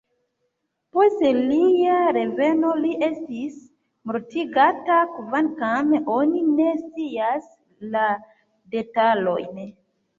Post lia reveno li estis mortigata, kvankam oni ne scias la detalojn.